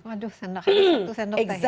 waduh sendok makan satu sendok teh ya